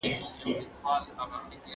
زه بوټونه نه پاکوم!؟